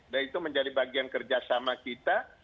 dan itu menjadi bagian kerjasama kita